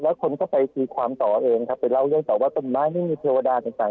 แล้วคนก็ไปตีความต่อเองครับไปเล่าเรื่องต่อว่าต้นไม้ไม่มีเทวดาต่าง